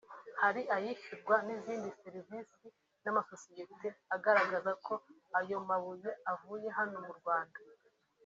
hari ayishyurwa n’izindi serivisi n’amasosiyete agaragaza ko ayo mabuye yavuye hano mu Rwanda